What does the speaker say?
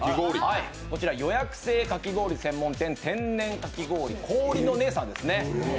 こちら予約制かき氷専門店天然かき氷氷の音さんですね。